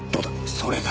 それだ。